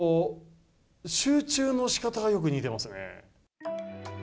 こう、集中のしかたがよく似てますね。